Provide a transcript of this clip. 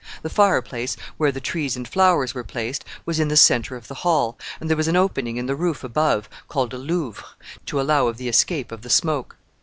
The fire place, where the trees and flowers were placed, was in the centre of the hall, and there was an opening in the roof above, called a louvre, to allow of the escape of the smoke.